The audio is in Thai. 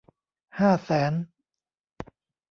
ห้าแสน